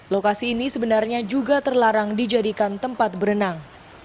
lokasi ini sebenarnya juga terlarang dijadikan tempat berenang